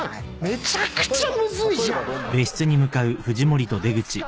めちゃくちゃムズいじゃん！